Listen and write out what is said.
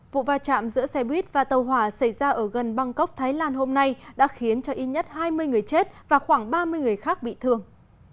vụ va chạm giữa xe buýt và tàu hỏa xảy ra ở gần bangkok thái lan hôm nay đã khiến cho ít nhất hai mươi người chết và khoảng ba mươi người khác bị thương